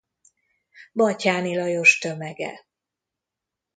Batthyáni Lajos tömege.